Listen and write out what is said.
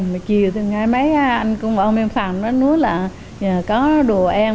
mà chiều từng ngày mấy anh cung và ông em phạm nói là có đồ ăn